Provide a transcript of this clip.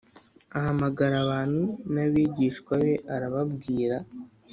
Ahamagara abantu n abigishwa be arababwira